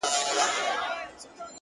څومره دي ښايست ورباندي ټك واهه!!